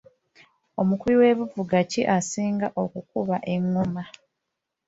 Mukubi wa bivuga ki asinga okukuba engoma.